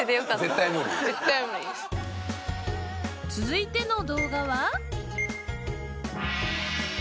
続いての動画は。